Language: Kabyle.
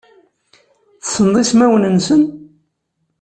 Tessneḍ ismawen-nsen?